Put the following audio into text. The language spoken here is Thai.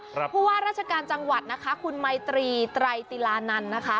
เพราะว่าราชการจังหวัดนะคะคุณไมตรีไตรติลานันต์นะคะ